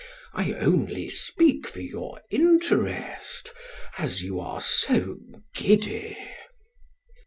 I only speak for your interest, as you are so giddy."